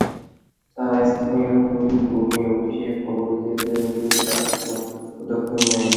তাঁরা স্থানীয় ভূমি অফিসেও খবর দিয়েছিলেন, কিন্তু তারা কোনো পদক্ষেপ নেয়নি।